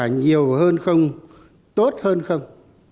đã kết quả nhiều hơn không tốt hơn không